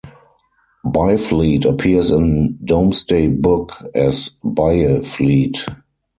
Byfleet appears in Domesday Book as "Byeflete".